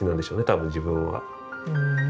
多分自分は。